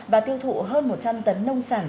và tiêu thụ hơn một trăm linh tấn nông sản